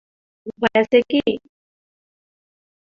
উপায় কী আছে?